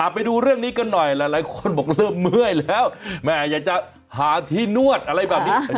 ไปดูเรื่องนี้กันหน่อยหลายคนบอกเริ่มเมื่อยแล้วแม่อยากจะหาที่นวดอะไรแบบนี้